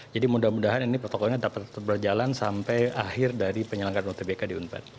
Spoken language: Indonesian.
jadi mudah mudahan ini protokolnya dapat berjalan sampai akhir dari penyelenggaraan utbk di unpad